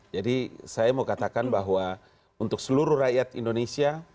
jadi saya mau katakan bahwa untuk seluruh rakyat indonesia